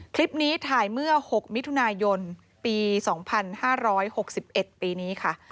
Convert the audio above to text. คลิปนี้ถ่ายเมื่อ๖มิถุนายนปี๒๕๖๑ปีนี้ค่ะ